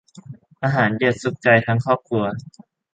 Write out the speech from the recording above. อาหารเด็ด สุขใจทั้งครอบครัว